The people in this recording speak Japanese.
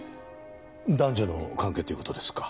男女の関係という事ですか？